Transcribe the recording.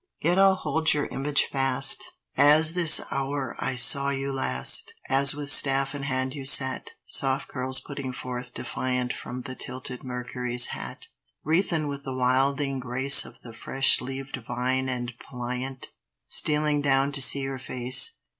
Yet I'll hold your image fast, As this hour I saw you last, As with staff in hand you sat, Soft curls putting forth defiant From the tilted Mercury's hat, Wreathen with the wilding grace Of the fresh leaved vine and pliant, Stealing down to see your face.